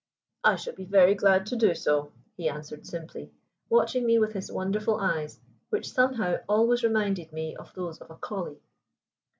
"I shall be very glad to do so," he answered simply, watching me with his wonderful eyes, which somehow always reminded me of those of a collie.